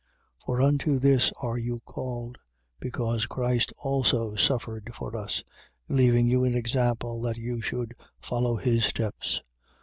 2:21. For unto this are you called: because Christ also suffered for us, leaving you an example that you should follow his steps.